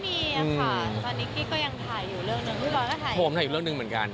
พี่บอยก็ถ่ายอยู่เรื่องหนึ่งเหมือนกันพี่บอยก็ถ่ายอยู่เรื่องหนึ่งเหมือนกันพี่บอยก็ถ่ายอยู่เรื่องหนึ่งเหมือนกัน